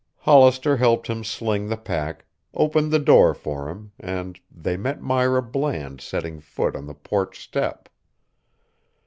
Hollister helped him sling the pack, opened the door for him, and they met Myra Bland setting foot on the porch step.